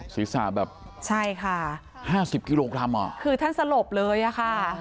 ศีรษะแบบใช่ค่ะห้าสิบกิโลกรัมอ่ะคือท่านสลบเลยอ่ะค่ะ